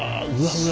うわ！